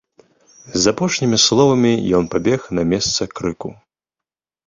З апошнімі словамі ён пабег на месца крыку.